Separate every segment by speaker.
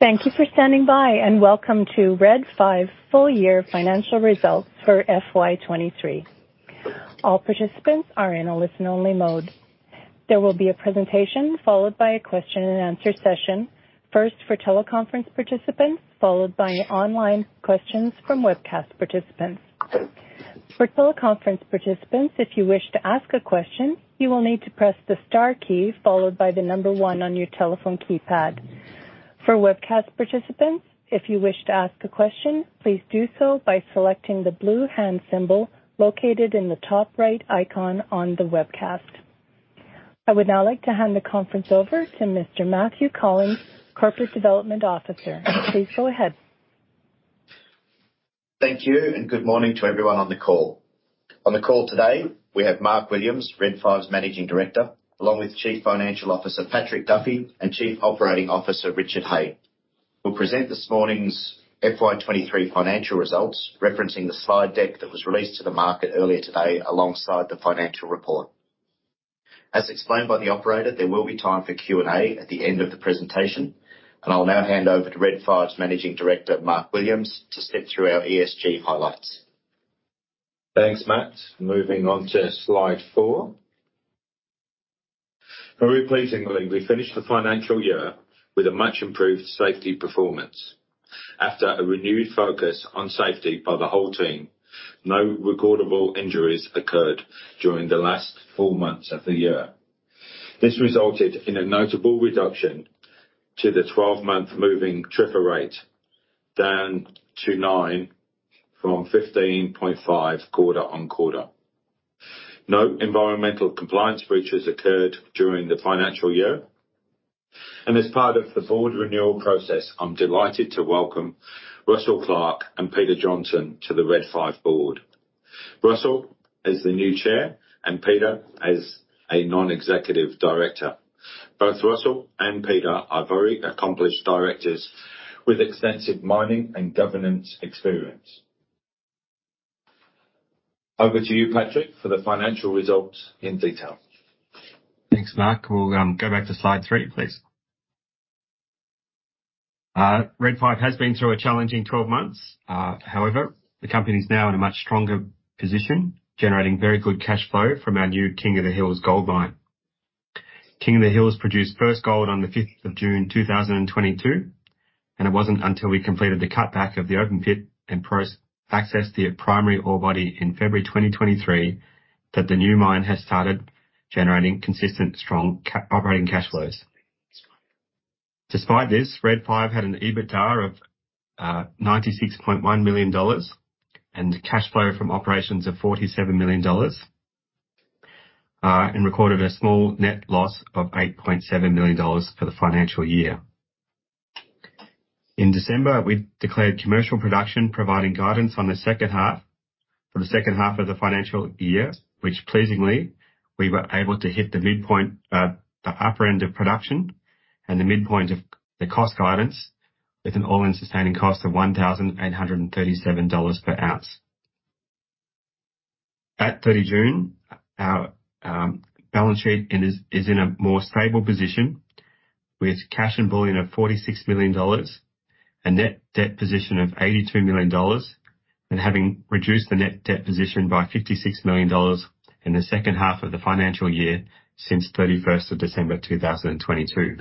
Speaker 1: Thank you for standing by, and welcome to Red 5 full year financial results for FY 2023. All participants are in a listen-only mode. There will be a presentation followed by a question and answer session. First for teleconference participants, followed by online questions from webcast participants. For teleconference participants, if you wish to ask a question, you will need to press the star key, followed by the number 1 on your telephone keypad. For webcast participants, if you wish to ask a question, please do so by selecting the blue hand symbol located in the top right icon on the webcast. I would now like to hand the conference over to Mr. Matthew Collings, Corporate Development Officer. Please go ahead.
Speaker 2: Thank you, and good morning to everyone on the call. On the call today, we have Mark Williams, Red 5's Managing Director, along with Chief Financial Officer, Patrick Duffy, and Chief Operating Officer, Richard Hay, who'll present this morning's FY 2023 financial results, referencing the slide deck that was released to the market earlier today alongside the financial report. As explained by the operator, there will be time for Q&A at the end of the presentation, and I'll now hand over to Red 5's Managing Director, Mark Williams, to step through our ESG highlights.
Speaker 3: Thanks, Matt. Moving on to slide four. Very pleasingly, we finished the financial year with a much improved safety performance. After a renewed focus on safety by the whole team, no recordable injuries occurred during the last four months of the year. This resulted in a notable reduction to the 12-month moving TRIR rate, down to nine from 15.5 quarter-over-quarter. No environmental compliance breaches occurred during the financial year. And as part of the board renewal process, I'm delighted to welcome Russell Clark and Peter Johnston to the Red 5 board. Russell as the new chair and Peter as a non-executive director. Both Russell and Peter are very accomplished directors with extensive mining and governance experience. Over to you, Patrick, for the financial results in detail.
Speaker 4: Thanks, Mark. We'll go back to slide three, please. Red 5 has been through a challenging 12 months. However, the company is now in a much stronger position, generating very good cash flow from our new King of the Hills gold mine. King of the Hills produced first gold on the fifth of June, 2022, and it wasn't until we completed the cutback of the open pit and accessed the primary ore body in February 2023, that the new mine has started generating consistent, strong operating cash flows. Despite this, Red 5 had an EBITDA of 96.1 million dollars and cash flow from operations of 47 million dollars and recorded a small net loss of 8.7 million dollars for the financial year. In December, we declared commercial production, providing guidance on the second half—for the second half of the financial year, which pleasingly, we were able to hit the midpoint, the upper end of production and the midpoint of the cost guidance, with an all-in sustaining cost of 1,837 dollars per ounce. At 30 June, our balance sheet is in a more stable position, with cash and bullion of 46 million dollars, a net debt position of 82 million dollars, and having reduced the net debt position by 56 million dollars in the second half of the financial year since 31 December 2022.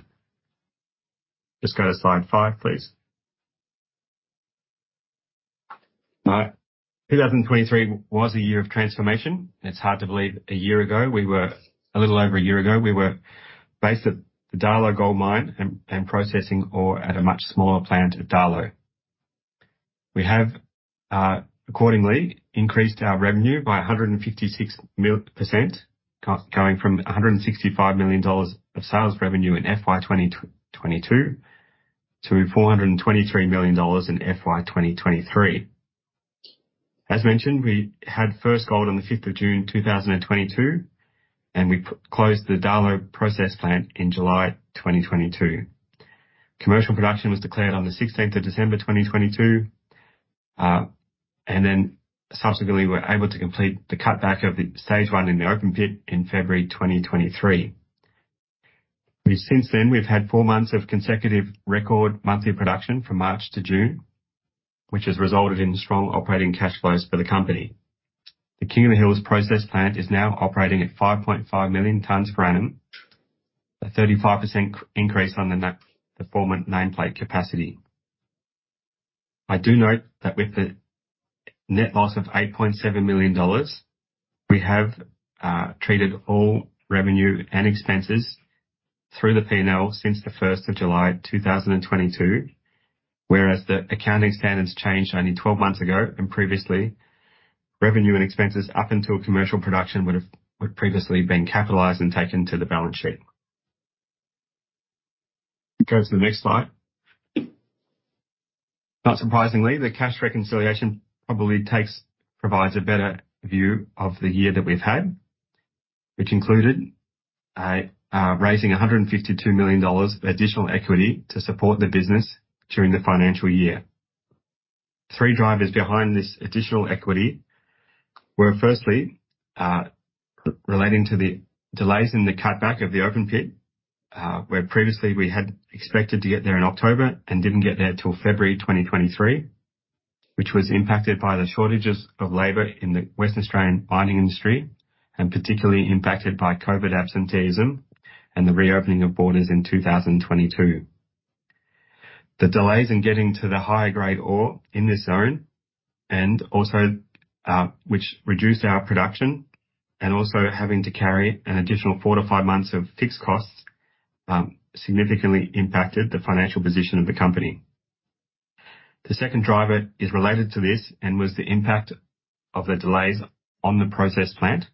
Speaker 4: Just go to slide 5, please. 2023 was a year of transformation. It's hard to believe a year ago, we were... A little over a year ago, we were based at the Darlot Gold Mine and processing ore at a much smaller plant at Darlot. We have accordingly increased our revenue by 156%, going from 165 million dollars of sales revenue in FY 2022 to 423 million dollars in FY 2023. As mentioned, we had first gold on the fifth of June 2022, and we closed the Darlot process plant in July 2022. Commercial production was declared on the sixteenth of December 2022, and then subsequently, we're able to complete the cutback of the stage one in the open pit in February 2023. Since then, we've had four months of consecutive record monthly production from March to June, which has resulted in strong operating cash flows for the company. The King of the Hills process plant is now operating at 5.5 million tons per annum, a 35% increase on the former nameplate capacity. I do note that with the net loss of 8.7 million dollars, we have treated all revenue and expenses through the P&L since July 1, 2022, whereas the accounting standards changed only 12 months ago, and previously, revenue and expenses up until commercial production would have previously been capitalized and taken to the balance sheet. Go to the next slide. Not surprisingly, the cash reconciliation probably provides a better view of the year that we've had, which included raising 152 million dollars additional equity to support the business during the financial year. Three drivers behind this additional equity were firstly relating to the delays in the cutback of the open pit, where previously we had expected to get there in October and didn't get there till February 2023, which was impacted by the shortages of labor in the Western Australian mining industry, and particularly impacted by COVID absenteeism and the reopening of borders in 2022. The delays in getting to the higher grade ore in this zone, and also which reduced our production, and also having to carry an additional 4-5 months of fixed costs, significantly impacted the financial position of the company. The second driver is related to this and was the impact of the delays on the process plant,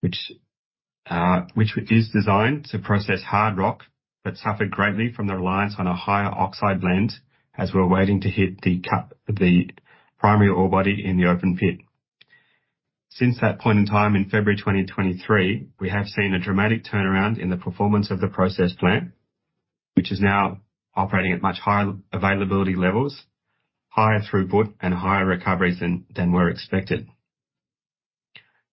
Speaker 4: which, which is designed to process hard rock, but suffered greatly from the reliance on a higher oxide lens as we're waiting to hit the cut—the Primary Ore Body in the open pit. Since that point in time, in February 2023, we have seen a dramatic turnaround in the performance of the process plant, which is now operating at much higher availability levels, higher throughput, and higher recoveries than were expected.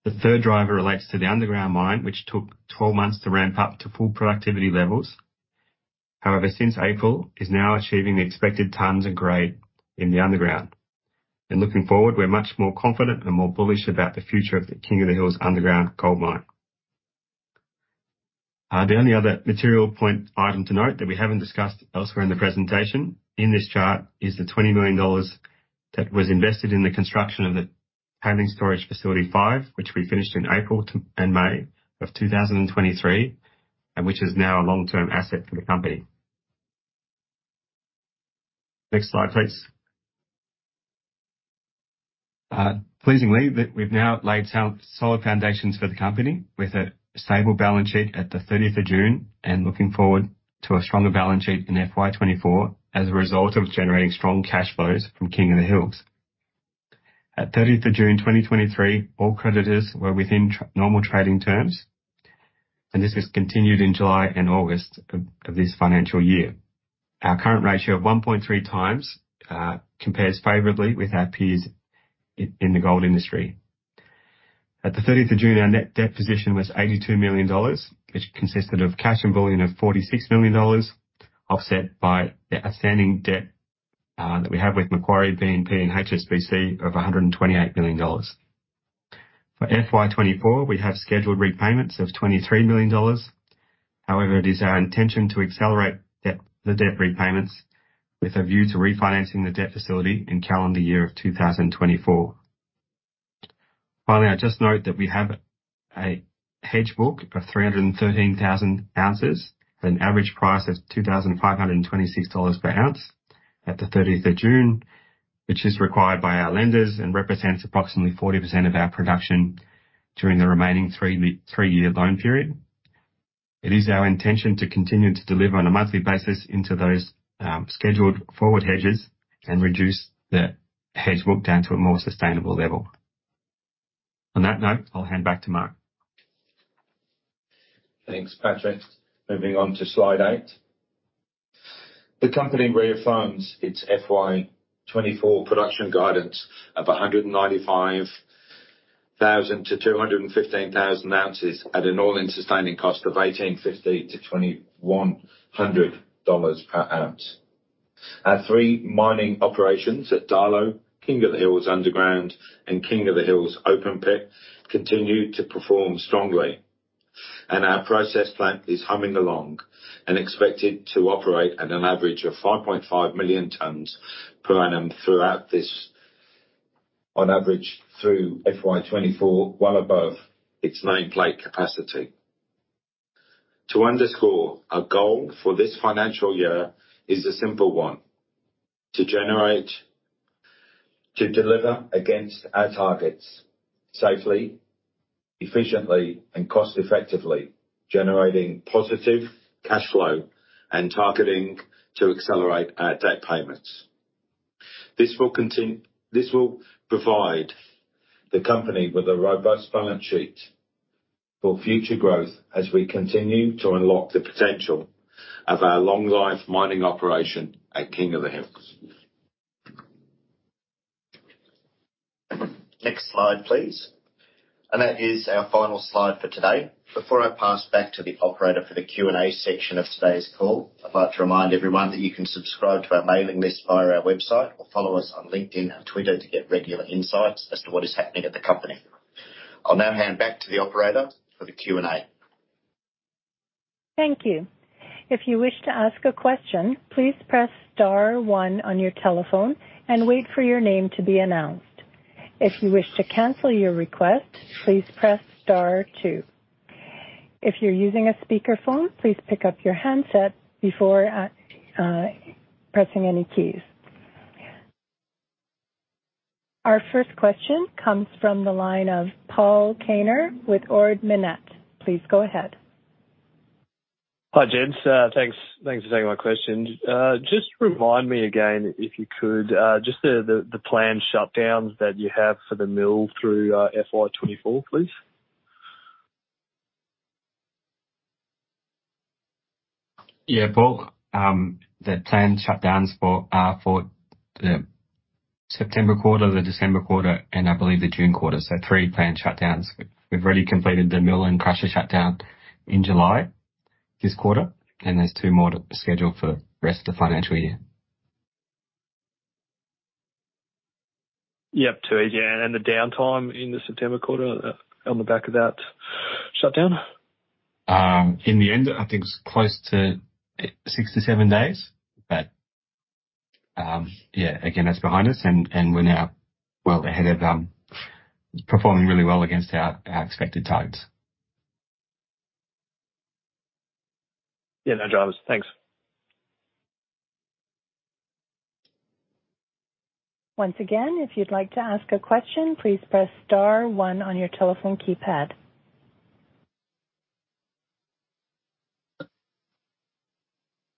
Speaker 4: The third driver relates to the underground mine, which took 12 months to ramp up to full productivity levels. However, since April, is now achieving the expected tons and grade in the underground. And looking forward, we're much more confident and more bullish about the future of the King of the Hills underground gold mine. The only other material point item to note that we haven't discussed elsewhere in the presentation, in this chart, is the 20 million dollars that was invested in the construction of the Padning Storage Facility 5, which we finished in April and May of 2023, and which is now a long-term asset for the company. Next slide, please. Pleasingly, we've now laid down solid foundations for the company with a stable balance sheet at the 30th of June, and looking forward to a stronger balance sheet in FY 2024 as a result of generating strong cash flows from King of the Hills. At 30th of June 2023, all creditors were within normal trading terms, and this was continued in July and August of this financial year. Our current ratio of 1.3 times compares favorably with our peers in the gold industry. At the 30th of June, our net debt position was 82 million dollars, which consisted of cash and bullion of 46 million dollars, offset by the outstanding debt that we have with Macquarie, BNP, and HSBC of 128 million dollars. For FY 2024, we have scheduled repayments of 23 million dollars. However, it is our intention to accelerate debt, the debt repayments with a view to refinancing the debt facility in calendar year of 2024. Finally, I just note that we have a hedge book of 313,000 ounces at an average price of 2,526 dollars per ounce at the 30th of June, which is required by our lenders and represents approximately 40% of our production during the remaining three-year loan period. It is our intention to continue to deliver on a monthly basis into those scheduled forward hedges and reduce the hedge book down to a more sustainable level. On that note, I'll hand back to Mark.
Speaker 3: Thanks, Patrick. Moving on to slide eight. The company reaffirms its FY 2024 production guidance of 195,000-215,000 ounces at an all-in sustaining cost of 1,850-2,100 dollars per ounce. Our three mining operations at Darlot, King of the Hills underground, and King of the Hills open pit, continue to perform strongly, and our process plant is humming along and expected to operate at an average of 5.5 million tons per annum throughout this, on average, through FY 2024, well above its nameplate capacity. To underscore, our goal for this financial year is a simple one: to generate, to deliver against our targets safely, efficiently, and cost effectively, generating positive cash flow and targeting to accelerate our debt payments. This will provide the company with a robust balance sheet for future growth as we continue to unlock the potential of our long-life mining operation at King of the Hills. Next slide, please. That is our final slide for today. Before I pass back to the operator for the Q&A section of today's call, I'd like to remind everyone that you can subscribe to our mailing list via our website, or follow us on LinkedIn and Twitter to get regular insights as to what is happening at the company. I'll now hand back to the operator for the Q&A.
Speaker 1: Thank you. If you wish to ask a question, please press star one on your telephone and wait for your name to be announced. If you wish to cancel your request, please press star two. If you're using a speakerphone, please pick up your handset before pressing any keys. Our first question comes from the line of Paul Kaner with Ord Minnett. Please go ahead.
Speaker 5: Hi, gents. Thanks, thanks for taking my question. Just remind me again, if you could, just the planned shutdowns that you have for the mill through FY 2024, please?
Speaker 4: Yeah, Paul, the planned shutdowns are for the September quarter, the December quarter, and I believe the June quarter. So three planned shutdowns. We've already completed the mill and crusher shutdown in July, this quarter, and there's two more to schedule for the rest of the financial year. Yep, two. Yeah, and the downtime in the September quarter on the back of that shutdown? In the end, I think it's close to 6-7 days. But, yeah, again, that's behind us and we're now well ahead of performing really well against our expected times. Yeah. No dramas. Thanks.
Speaker 1: Once again, if you'd like to ask a question, please press star one on your telephone keypad.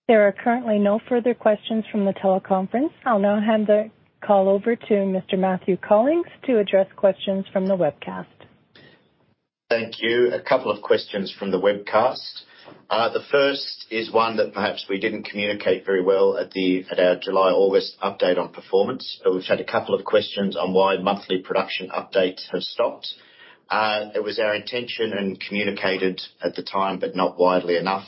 Speaker 1: There are currently no further questions from the teleconference. I'll now hand the call over to Mr. Matthew Collings to address questions from the webcast.
Speaker 2: Thank you. A couple of questions from the webcast. The first is one that perhaps we didn't communicate very well at our July/August update on performance. So we've had a couple of questions on why monthly production updates have stopped. It was our intention and communicated at the time, but not widely enough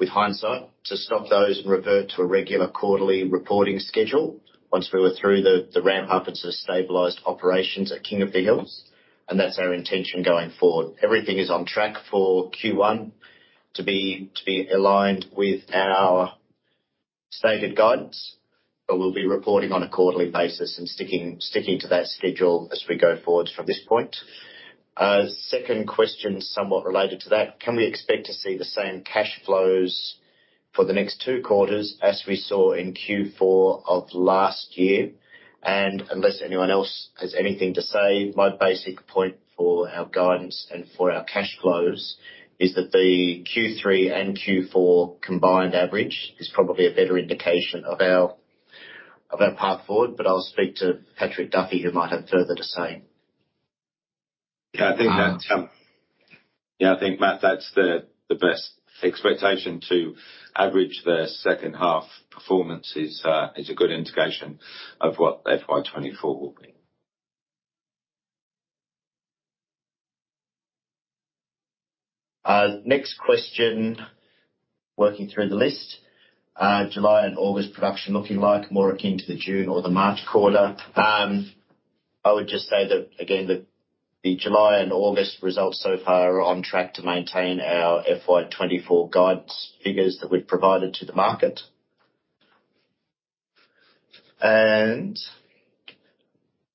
Speaker 2: with hindsight, to stop those and revert to a regular quarterly reporting schedule once we were through the ramp-up and to stabilize operations at King of the Hills. And that's our intention going forward. Everything is on track for Q1 to be aligned with our stated guidance, but we'll be reporting on a quarterly basis and sticking to that schedule as we go forward from this point. Second question, somewhat related to that: Can we expect to see the same cash flows for the next two quarters as we saw in Q4 of last year? And unless anyone else has anything to say, my basic point for our guidance and for our cash flows is that the Q3 and Q4 combined average is probably a better indication of our, of our path forward, but I'll speak to Patrick Duffy, who might have further to say.
Speaker 3: Yeah, I think that, yeah, I think, Matt, that's the best expectation to average the second half performance is a good indication of what FY 2024 will be.
Speaker 2: Next question, working through the list. July and August production looking like more akin to the June or the March quarter? I would just say that, again, the July and August results so far are on track to maintain our FY 2024 guidance figures that we've provided to the market. And-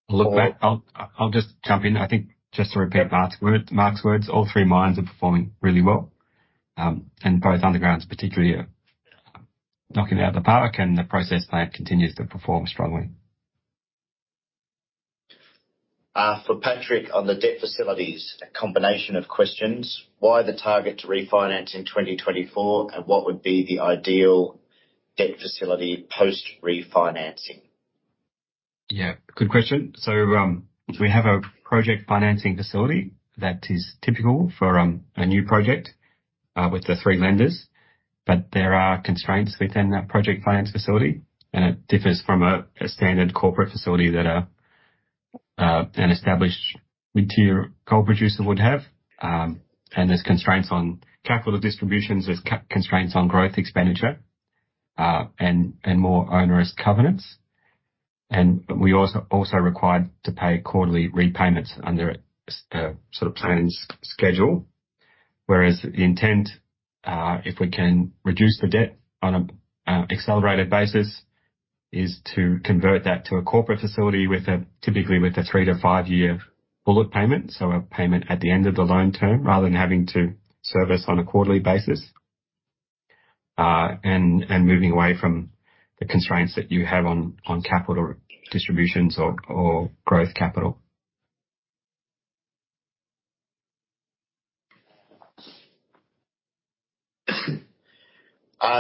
Speaker 4: Look, Matt, I'll just jump in. I think just to repeat Mark's word, Mark's words, all three mines are performing really well, and both undergrounds, particularly are knocking it out of the park, and the process plant continues to perform strongly.
Speaker 2: For Patrick, on the debt facilities, a combination of questions: Why the target to refinance in 2024? And what would be the ideal debt facility post-refinancing?
Speaker 4: Yeah, good question. So, we have a project financing facility that is typical for a new project with the three lenders. But there are constraints within that project finance facility, and it differs from a standard corporate facility that an established mid-tier coal producer would have. And there's constraints on capital distributions, there's constraints on growth expenditure, and more onerous covenants. And we also required to pay quarterly repayments under a sort of planned schedule. Whereas the intent, if we can reduce the debt on an accelerated basis, is to convert that to a corporate facility with typically a three- to five-year bullet payment. So a payment at the end of the loan term, rather than having to service on a quarterly basis, and moving away from the constraints that you have on capital distributions or growth capital.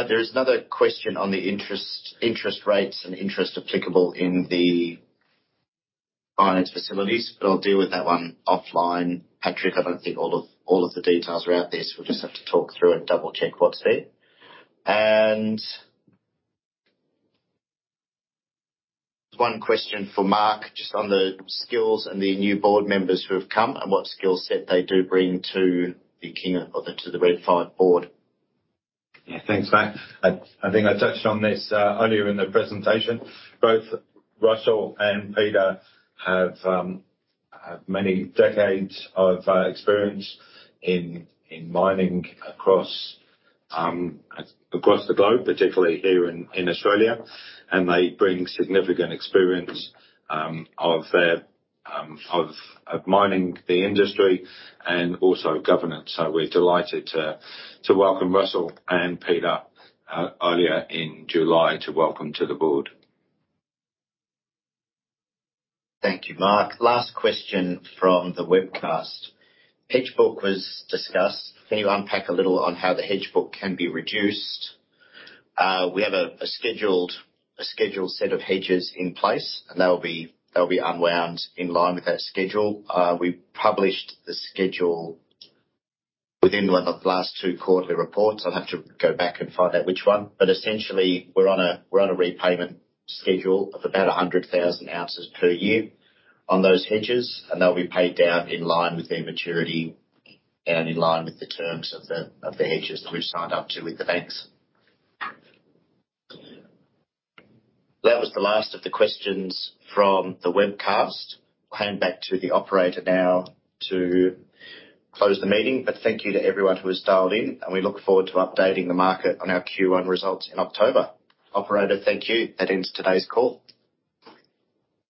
Speaker 2: There is another question on the interest, interest rates and interest applicable in the finance facilities, but I'll deal with that one offline. Patrick, I don't think all of, all of the details are out there, so we'll just have to talk through and double-check what's there. One question for Mark, just on the skills and the new board members who have come and what skill set they do bring to the King of the Hills or to the Red 5 board.
Speaker 3: Yeah. Thanks, Matt. I think I touched on this earlier in the presentation. Both Russell and Peter have many decades of experience in mining across the globe, particularly here in Australia. They bring significant experience of mining, the industry, and also governance. So we're delighted to welcome Russell and Peter earlier in July to the board.
Speaker 2: Thank you, Mark. Last question from the webcast. Hedge Book was discussed. Can you unpack a little on how the Hedge Book can be reduced? We have a scheduled set of hedges in place, and they'll be unwound in line with that schedule. We published the schedule within one of the last two quarterly reports. I'll have to go back and find out which one, but essentially, we're on a repayment schedule of about 100,000 ounces per year on those hedges, and they'll be paid down in line with their maturity and in line with the terms of the hedges that we've signed up to with the banks. That was the last of the questions from the webcast. I'll hand back to the operator now to close the meeting, but thank you to everyone who has dialed in, and we look forward to updating the market on our Q1 results in October. Operator, thank you. That ends today's call.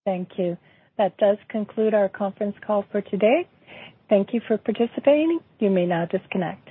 Speaker 1: Thank you. That does conclude our conference call for today. Thank you for participating. You may now disconnect.